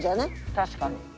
確かに。